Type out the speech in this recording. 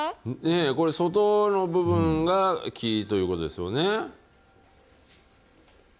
これ、外の部分が木ということですよね。